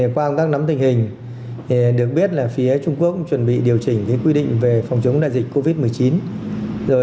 trước đó nắm được tình hình phía nước bản trung quốc chuẩn bị hạ cấp quy định về phòng chống dịch covid một mươi chín